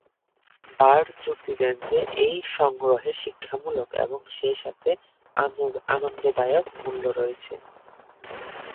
Bird যুক্তি দেন যে এই সংগ্রহের শিক্ষামূলক এবং সেই সাথে আনন্দদায়ক মূল্য রয়েছে।